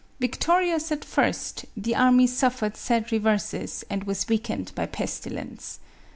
Victorious at first, the army suffered sad re verses and was weakened by pestilence.